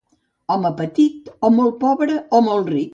Home petit, o molt pobre o molt ric.